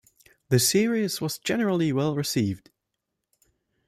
The series was generally well received.